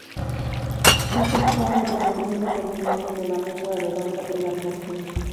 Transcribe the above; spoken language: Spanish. Sherwood fue uno de los miembros originales de la Mesa Redonda del Algonquin.